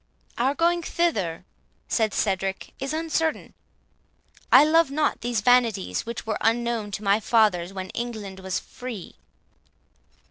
"Our going thither," said Cedric, "is uncertain. I love not these vanities, which were unknown to my fathers when England was free."